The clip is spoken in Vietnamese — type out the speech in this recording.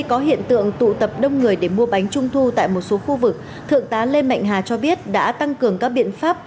có hiện tượng tụ tập đông người để mua bánh trung thu tại một số khu vực thượng tá lê mạnh hà cho biết đã tăng cường các biện pháp